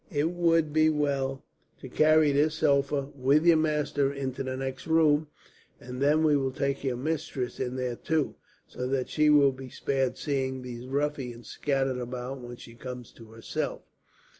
It would be well to carry this sofa with your master into the next room; and then we will take your mistress in there, too, so that she will be spared seeing these ruffians scattered about, when she comes to herself."